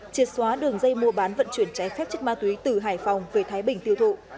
triệt xóa đường dây mua bán vận chuyển trái phép chất ma túy từ hải phòng về thái bình tiêu thụ